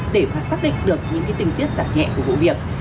để mà xác định được những tình tiết giảm nhẹ của vụ việc